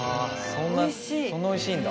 そんなおいしいんだ。